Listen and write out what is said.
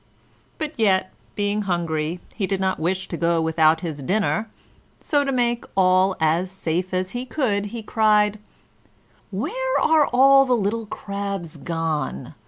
But yet, being hungry, he did not wish to go without his dinner; so to make all as safe as he could, he cried: "Where are all the little crabs gone?